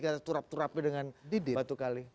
kita turap turapnya dengan batu kali